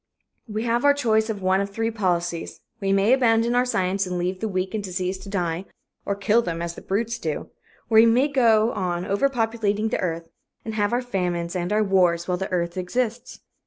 We have our choice of one of three policies. We may abandon our science and leave the weak and diseased to die, or kill them, as the brutes do. Or we may go on overpopulating the earth and have our famines and our wars while the earth exists.